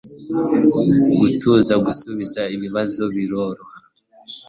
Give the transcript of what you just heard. gutuza gusubiza ibibazo biroroha